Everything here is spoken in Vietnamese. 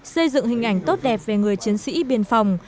xây dựng hình ảnh tốt đẹp về người chiến sĩ biên phòng